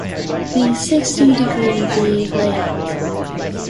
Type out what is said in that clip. The sixty-degree-vee layout.